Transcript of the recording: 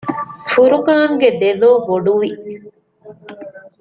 ފުރުޤާންގެ ދެލޯ ބޮޑުވި